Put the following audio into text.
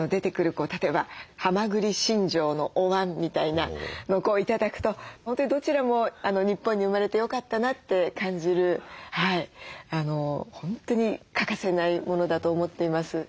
例えばはまぐりしんじょうのおわんみたいなのを頂くと本当にどちらも日本に生まれてよかったなって感じる本当に欠かせないものだと思っています。